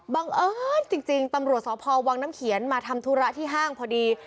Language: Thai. บังเอิญจริงตำรวจสพวังน้ำเขียนมาทำธุระที่ห้างพอดี